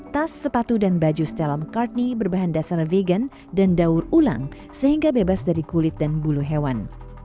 tas sepatu dan baju stella mcartney berbahan dasar vegan dan daur ulang sehingga bebas dari kulit dan bulu hewan